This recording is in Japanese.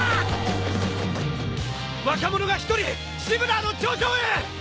若者が一人シブラーの頂上へ！